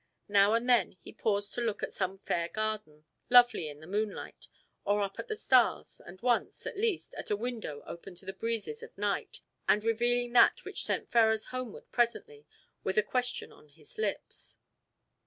Now and then he paused to look at some fair garden, lovely in the moonlight, or up at the stars, and once, at least, at a window, open to the breezes of night and revealing that which sent Ferrars homeward presently with a question on his lips.